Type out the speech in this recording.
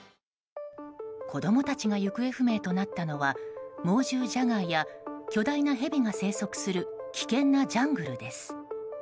子供たちが行方不明となったのは猛獣ジャガーや巨大なヘビが生息する危険なジャングルです。